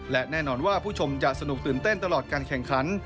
และแน่นอนว่าผู้ชมจะสนุกตื่นเต้นตลอดการแข่งขัน